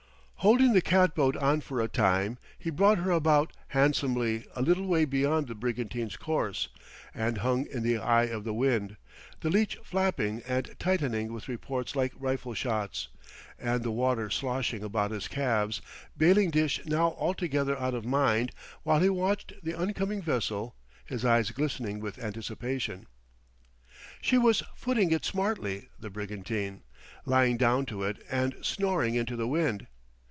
Holding the cat boat on for a time, he brought her about handsomely a little way beyond the brigantine's course, and hung in the eye of the wind, the leach flapping and tightening with reports like rifle shots, and the water sloshing about his calves bailing dish now altogether out of mind while he watched the oncoming vessel, his eyes glistening with anticipation. She was footing it smartly, the brigantine lying down to it and snoring into the wind.